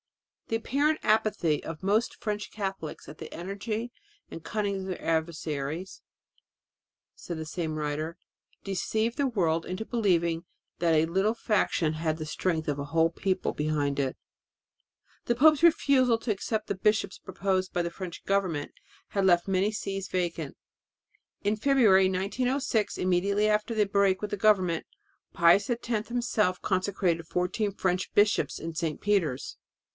"The apparent apathy of most French Catholics, the energy and cunning of their adversaries," said the same writer, "deceived the world into believing that a little faction had the strength of a whole people behind it ...." The pope's refusal to accept the bishops proposed by the French government had left many sees vacant. In February 1906, immediately after the break with the government, Pius X himself consecrated fourteen French bishops in St. Peter's.